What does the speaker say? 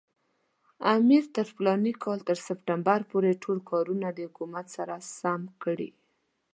امیر تر فلاني کال تر سپټمبر پورې ټول کارونه د حکومت سره سم کړي.